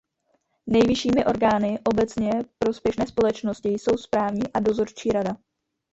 Nejvyššími orgány obecně prospěšné společnosti jsou správní a dozorčí rada.